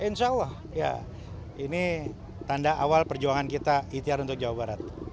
insya allah ya ini tanda awal perjuangan kita ikhtiar untuk jawa barat